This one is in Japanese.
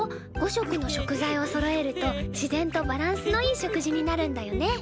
５色の食材をそろえると自然とバランスのいい食事になるんだよね。